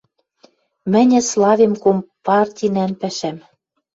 Мӹньӹ славем компартинӓн пӓшӓм